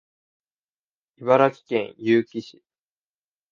茨城県結城市